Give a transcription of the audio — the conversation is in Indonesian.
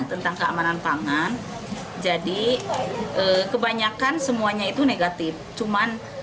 untuk mengeruk keuntungan